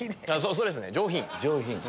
それっすね上品。